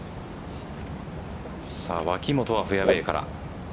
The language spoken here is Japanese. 脇元はフェアウェイから。